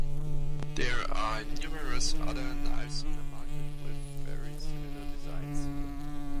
There are numerous other knives on the market with very similar designs.